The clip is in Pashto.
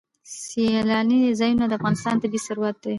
سیلانی ځایونه د افغانستان طبعي ثروت دی.